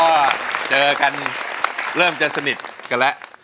ก็เจอกันเริ่มจะสนิทกันแล้ว